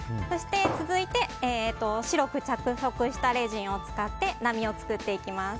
続いて、白く着色したレジンを使って波を作っていきます。